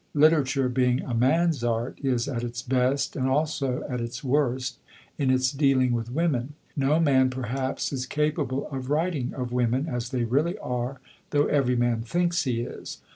Literature, being a man's art, is at its best and also at its worst, in its dealing with women. No man, perhaps, is capable of writing of women as they really are, though every man thinks he is.